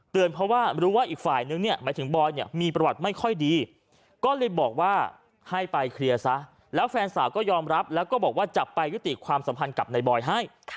เพราะว่ารู้ว่าอีกฝ่ายนึงเนี่ยหมายถึงบอยเนี่ยมีประวัติไม่ค่อยดีก็เลยบอกว่าให้ไปเคลียร์ซะแล้วแฟนสาวก็ยอมรับแล้วก็บอกว่าจะไปยุติความสัมพันธ์กับนายบอยให้